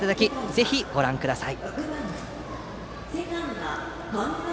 ぜひ、ご覧ください。